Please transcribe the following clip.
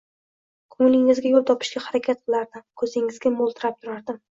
Ko`nglingizga yo`l topishga harakat qilardim, ko`zingizga mo`ltirab turardim